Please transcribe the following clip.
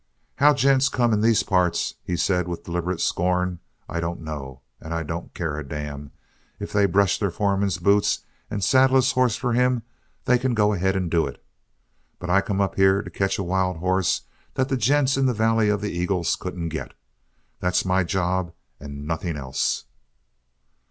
"How gents come in these parts," he said with deliberate scorn, "I dunno. And I don't care a damn. If they brush their foreman's boots and saddle his hosses for him, they can go ahead and do it. But I come up here to catch a wild hoss that the gents in the Valley of the Eagles couldn't get. That's my job, and nothing else."